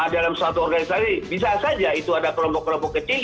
dalam suatu organisasi bisa saja itu ada kelompok kelompok kecil